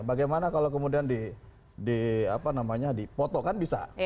bagaimana kalau kemudian dipotok kan bisa